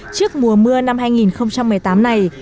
trước mùa mưa năm hai nghìn một mươi tám này